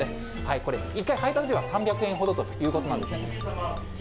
これ、１回配達では３００円ほどということなんですね。